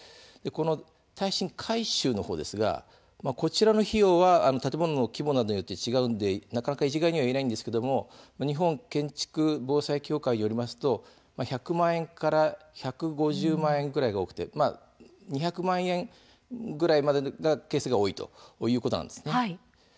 耐震改修の方は、この費用は建物の規模などによって違ってなかなか一概に言えないんですが日本建築防災協会によりますと１００万円から１５０万円くらいが多くて２００万円くらいまでのケースが多いということなんです。